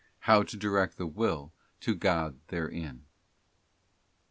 How to direct the Will to God therein.